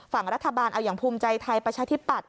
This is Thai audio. ฝั่งรัฐบาลเอาอย่างภูมิใจไทยประชาธิปัตย